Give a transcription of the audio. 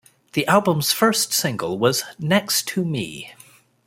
The album's first single was "Next To Me".